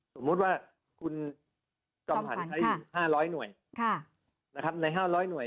สมมติว่าคุณกรรมฝรรค์ใช้อยู่๕๐๐หน่วย